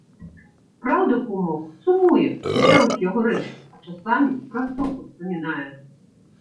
Праўда, кумок, сумуе, цецярук яго рэж, а часамі праз сон успамінае.